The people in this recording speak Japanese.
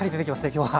今日は。